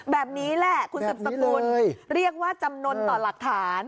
แบบนี้แหละคุณสืบสกุลเรียกว่าจำนวนต่อหลักฐาน